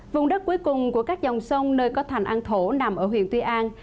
vùng đất cuối cùng của các dòng sông nơi có thành an thổ nằm ở huyện tuy an